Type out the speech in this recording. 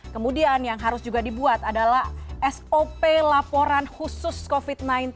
kemudian yang harus juga dibuat adalah sop laporan khusus covid sembilan belas